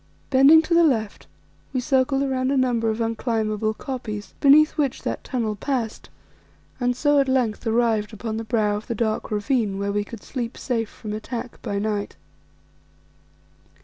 Bending to the left, we circled round a number of unclimbable koppies, beneath which that tunnel passed, and so at length arrived upon the brow of the dark ravine where we could sleep safe from attack by night.